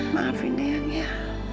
maafin dia ya